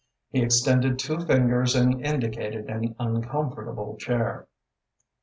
He extended two fingers and indicated an uncomfortable chair.